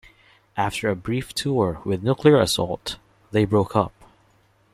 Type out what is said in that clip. After a brief tour with Nuclear Assault, they broke up.